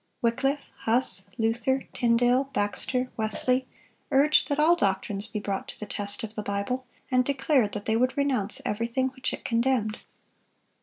Wycliffe, Huss, Luther, Tyndale, Baxter, Wesley, urged that all doctrines be brought to the test of the Bible, and declared that they would renounce everything which it condemned.